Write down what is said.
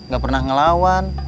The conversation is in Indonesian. gak pernah ngelawan